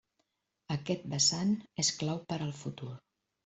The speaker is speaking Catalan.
Aquest vessant és clau per al futur.